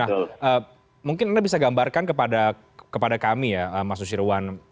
nah mungkin anda bisa gambarkan kepada kami ya mas nusirwan